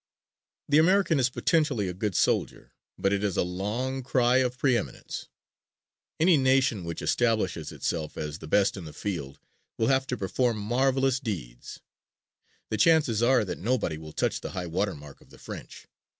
The American is potentially a good soldier, but it is a long cry of preëminence. Any nation which establishes itself as the best in the field will have to perform marvelous deeds. The chances are that nobody will touch the high water mark of the French.